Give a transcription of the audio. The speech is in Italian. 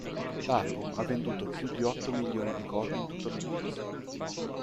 L'album ha venduto più di otto milioni di copie in tutto il mondo.